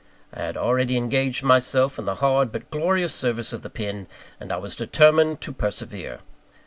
I had already engaged myself in the hard, but glorious service of the pen; and I was determined to persevere.